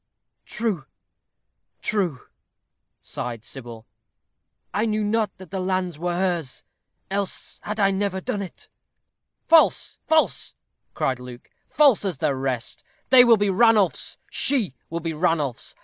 "True, true," sighed Sybil. "I knew not that the lands were hers, else had I never done it." "False, false," cried Luke; "false as the rest. They will be Ranulph's. She will be Ranulph's.